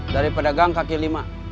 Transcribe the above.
dari pedagang kaki lima